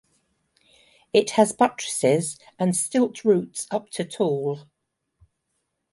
It has buttresses and stilt roots up to tall.